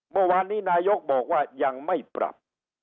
เมื่อวานนี้นายกบอกว่ายังไม่ปรับ